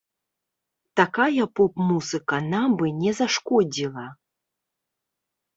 Такая поп-музыка нам бы не зашкодзіла.